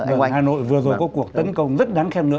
hà nội vừa rồi có cuộc tấn công rất đáng khen nợ